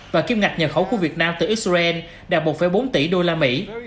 và kiếm ngạc nhờ khẩu của việt nam từ israel đạt một bốn tỷ đô la mỹ